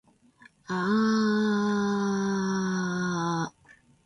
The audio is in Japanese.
aaaaaaaaaaaaaaaaaaaaaaaaaaaaaaaaaaa